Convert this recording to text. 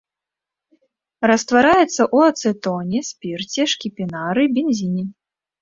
Раствараецца ў ацэтоне, спірце, шкіпінары, бензіне.